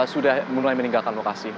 sudah mulai meninggalkan lokasi